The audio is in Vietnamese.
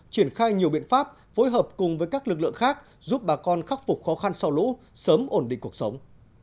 triển khai nhiều biện pháp phối hợp cùng với các lực lượng khác giúp bà con khắc phục khó khăn sau lũ sớm ổn định cuộc sống